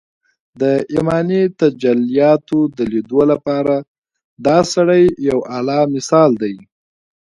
د ايماني تجلياتو د ليدو لپاره دا سړی يو اعلی مثال دی